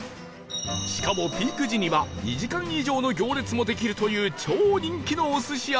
しかもピーク時には２時間以上の行列もできるという超人気のお寿司屋さん